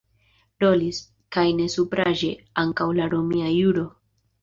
Rolis, kaj ne supraĵe, ankaŭ la romia juro.